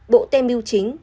bộ tem biêu chính